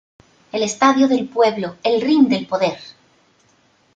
El estadio del pueblo, el ring del poder.